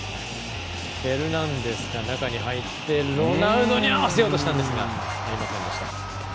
フェルナンデが中に入ってロナウドに合わせようとしたんですが合いませんでした。